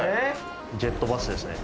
ジェットバスですね。